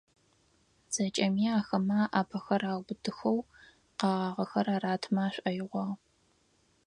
ЗэкӀэми ахэмэ аӏапэхэр аубытыхэу, къэгъагъэхэр аратымэ ашӀоигъуагъ.